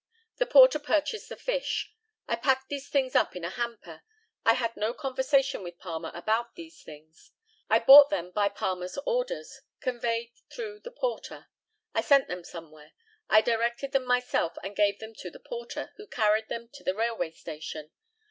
The porter purchased the fish. I packed these things up in a hamper. I had no conversation with Palmer about these things. I bought them by Palmer's order, conveyed through the porter. I sent them somewhere. I directed them myself, and gave them to the porter, who carried them to the railway station.